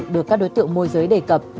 được các đối tượng môi giới đề cập